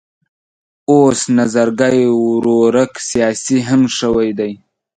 اوس نظرګی ورورک سیاسي هم شوی دی.